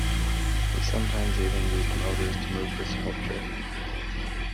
He sometimes even used motors to move the sculpture.